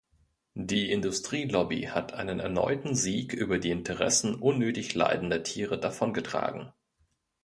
Die Industrielobby hat einen erneuten Sieg über die Interessen unnötig leidender Tiere davongetragen.